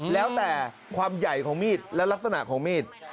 แล้วแต่ความใหญ่ของมีดและลักษณะของมีด